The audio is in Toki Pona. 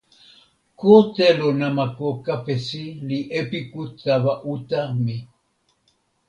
ko telo namako kapesi li epiku tawa uta mi.